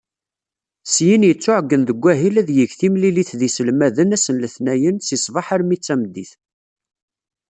Syin yettuɛeyyen deg wahil ad yeg timlilit d yiselmaden ass n letnayen si ssbeḥ almi d tmeddit.